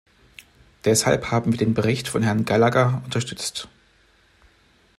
Deshalb haben wir den Bericht von Herrn Gallagher unterstützt.